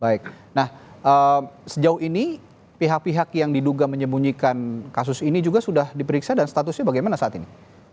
baik nah sejauh ini pihak pihak yang diduga menyembunyikan kasus ini juga sudah diperiksa dan statusnya bagaimana saat ini